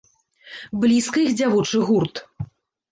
Блізка іх дзявочы гурт.